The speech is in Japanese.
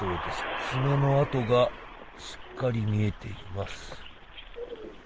爪の跡がしっかり見えています。